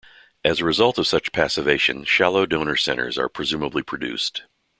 As a result of such passivation, shallow donor centers are presumably produced.